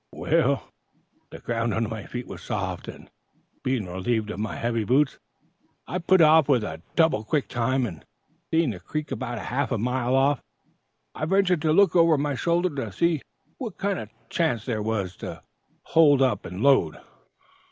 "Well, the ground under my feet was soft, and, being relieved of my heavy boots, I put off with double quick time, and, seeing the creek about half a mile off, I ventured to look over my shoulder to see what kind of chance there was to hold up and load.